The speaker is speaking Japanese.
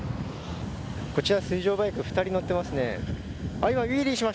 こちら、水上バイク２人乗ってますね。